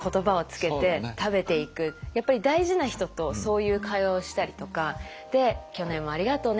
やっぱり大事な人とそういう会話をしたりとかで「去年もありがとうね」。